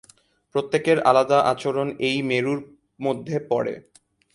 প্রত্যেকের আলাদা আচরণ এই মেরুর মধ্যে পড়ে।